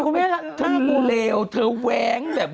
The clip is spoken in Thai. ใช่คุณครับ